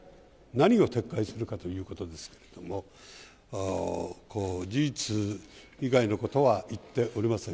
何を撤回するかということですけれども、事実以外のことは言っておりません。